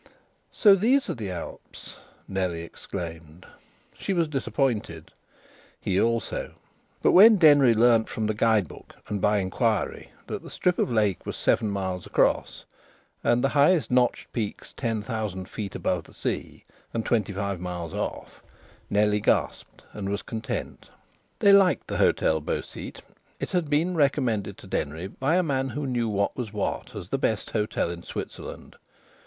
"So these are the Alps!" Nellie exclaimed. She was disappointed; he also. But when Denry learnt from the guide book and by inquiry that the strip of lake was seven miles across, and the highest notched peaks ten thousand feet above the sea and twenty five miles off, Nellie gasped and was content. They liked the Hôtel Beau Site. It had been recommended to Denry, by a man who knew what was what, as the best hotel in Switzerland.